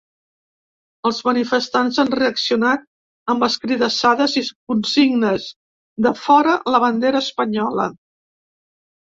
Els manifestants han reaccionat amb escridassades i consignes de “fora la bandera espanyola”.